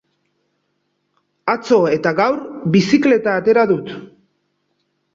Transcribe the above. Atzo eta gaur bizikleta atera dut.